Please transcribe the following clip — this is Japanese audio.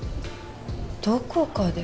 どこかで。